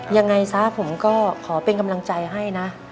ยังไงซะผมก็ขอเป็นกำลังใจให้นะ